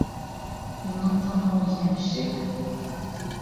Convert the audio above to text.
Уның танауы йәмшек.